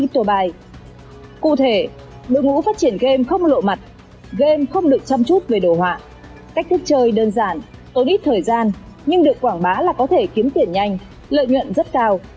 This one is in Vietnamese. tốn ít thời gian nhưng được quảng bá là có thể kiếm tiền nhanh lợi nhuận rất cao